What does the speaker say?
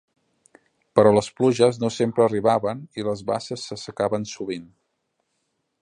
Però les pluges no sempre arribaven i les basses s'assecaven sovint.